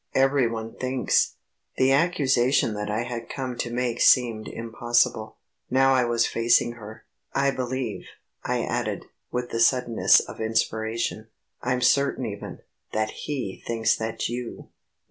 Everyone thinks "... The accusation that I had come to make seemed impossible, now I was facing her. "I believe," I added, with the suddenness of inspiration. "I'm certain even, that he thinks that you